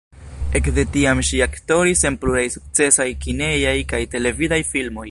Ekde tiam ŝi aktoris en pluraj sukcesaj kinejaj kaj televidaj filmoj.